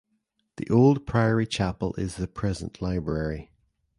The old priory chapel is the present library.